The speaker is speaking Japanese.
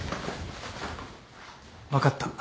分かった。